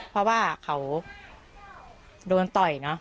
เพราะว่าเขาโดนต่อยเนอะ